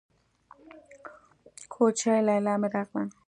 کوچۍ ليلا مې راغله.